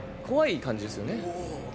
怖い感じですよね。